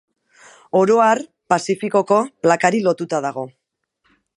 Oro har, Pazifikoko plakari lotua dago.